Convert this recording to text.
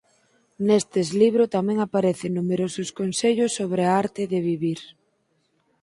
Nestes libro tamén aparecen numerosos consellos sobre a arte de vivir.